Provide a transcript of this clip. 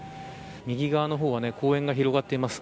右側の方は公園が広がっています。